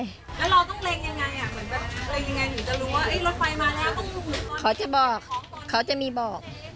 แล้วเราต้องเล็งอย่างไรถึงจะรู้ว่ารถไฟมาแล้ว